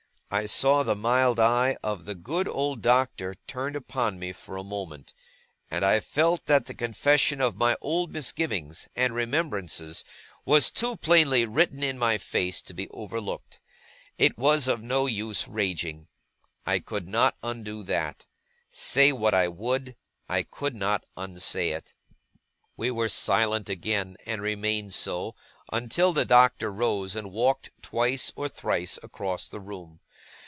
I saw the mild eye of the good old Doctor turned upon me for a moment, and I felt that the confession of my old misgivings and remembrances was too plainly written in my face to be overlooked. It was of no use raging. I could not undo that. Say what I would, I could not unsay it. We were silent again, and remained so, until the Doctor rose and walked twice or thrice across the room.